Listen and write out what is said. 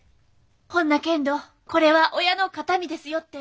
ほんなけんどこれは親の形見ですよって。